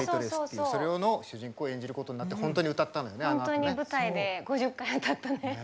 本当に舞台で５０回は歌ったね。